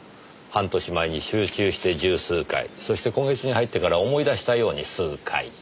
半年前に集中して十数回そして今月に入ってから思い出したように数回。